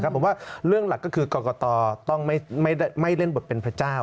ผมว่าเรื่องหลักก็คือกรกตต้องไม่เล่นบทเป็นพระเจ้า